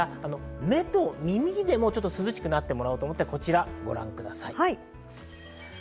目と耳で涼しくなってもらおうと、こちらをご覧ください。